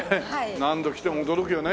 何度来ても驚くよね